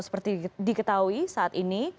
seperti diketahui saat ini